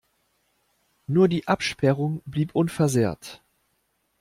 Nur die Absperrung blieb unversehrt.